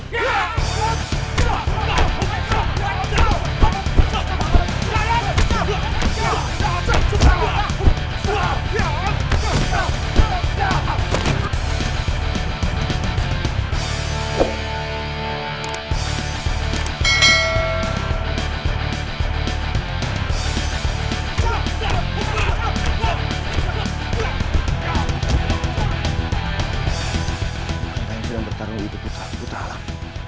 kita yang sedang bertarung itu putra putra alam